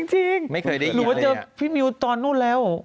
หรือว่าเจอพี่มิวตอนนู้นแล้ว